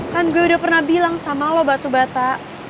kan gue udah pernah bilang sama lo batu bata